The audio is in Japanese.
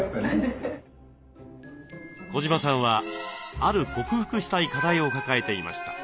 児島さんはある克服したい課題を抱えていました。